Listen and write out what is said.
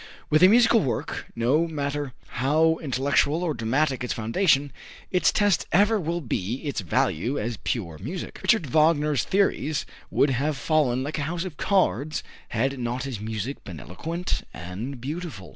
With a musical work, no matter how intellectual or dramatic its foundation, its test ever will be its value as pure music. Richard Wagner's theories would have fallen like a house of cards, had not his music been eloquent and beautiful.